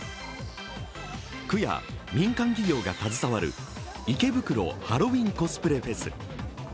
区や民間企業が携わる池袋ハロウィンコスプレフェス。